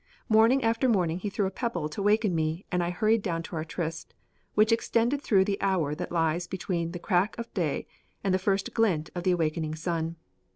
Morning after morning he threw a pebble to waken me and I hurried down to our tryst, which extended through the hour that lies between the crack of day and the first glint of the awakening sun.